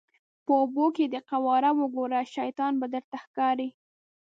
په اوبو کې دې قواره وګوره شیطان به درته ښکاري.